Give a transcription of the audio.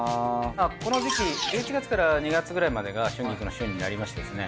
この時期１１月から２月くらいまでが春菊の旬になりましてですね